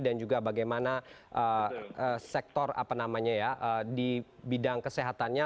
juga bagaimana sektor apa namanya ya di bidang kesehatannya